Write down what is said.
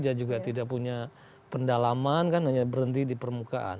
dia juga tidak punya pendalaman kan hanya berhenti di permukaan